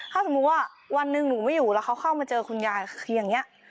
ถ้าสมมุติว่าวันหนึ่งหนูไม่อยู่แล้วเขาเข้ามาเจอคุณยายคืออย่างนี้